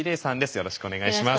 よろしくお願いします。